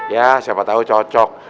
ya siapa tau cocok